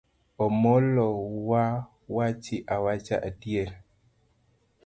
Omolo wa wachi awacha adieri.